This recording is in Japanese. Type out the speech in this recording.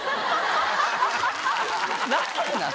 何なの？